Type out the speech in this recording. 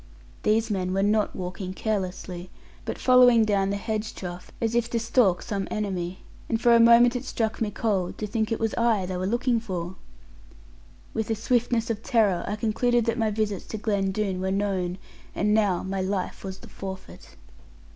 These men were not walking carelessly, but following down the hedge trough, as if to stalk some enemy: and for a moment it struck me cold to think it was I they were looking for. With the swiftness of terror I concluded that my visits to Glen Doone were known, and now my life was the forfeit.